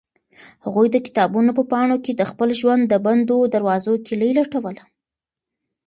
هغوی د کتابونو په پاڼو کې د خپل ژوند د بندو دروازو کیلي لټوله.